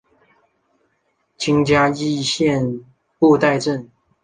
今嘉义县布袋镇。